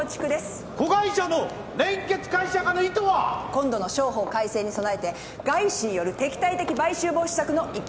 今度の商法改正に備えて外資による敵対的買収防止策の一環です。